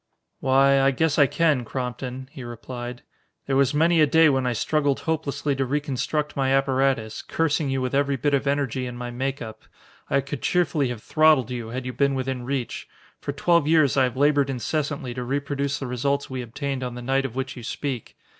"Why, I guess I can, Crompton," he replied. "There was many a day when I struggled hopelessly to reconstruct my apparatus, cursing you with every bit of energy in my make up. I could cheerfully have throttled you, had you been within reach. For twelve years I have labored incessantly to reproduce the results we obtained on the night of which you speak.